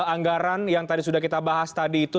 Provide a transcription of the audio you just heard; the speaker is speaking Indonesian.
anggaran yang tadi sudah kita bahas tadi itu